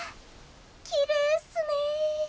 きれいっすね。